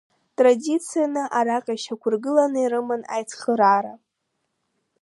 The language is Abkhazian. Традицианы араҟа ишьақәыргыланы ирыман аицхыраара.